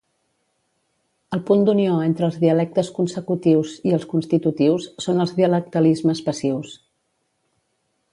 El punt d'unió entre els dialectes consecutius i els constitutius són els dialectalismes passius.